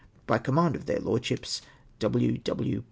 '' By Command of their Lordships, " W.